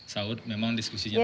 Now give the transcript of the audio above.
sa'ud memang diskusinya tadi